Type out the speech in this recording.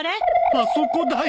あそこだよ。